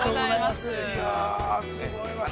すごいわ。